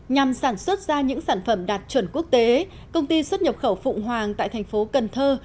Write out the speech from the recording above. nhằm sản xuất ra những sản phẩm đạt chuẩn quốc tế công ty xuất nhập khẩu phụng hoàng tại thành phố cần thơ